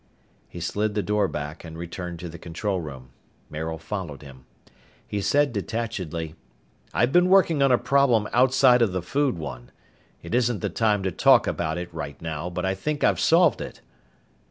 He slid the door back and returned to the control room. Maril followed him. He said detachedly, "I've been working on a problem outside of the food one. It isn't the time to talk about it right now, but I think I've solved it."